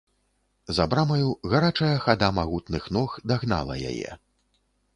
За брамаю гарачая хада магутных ног дагнала яе.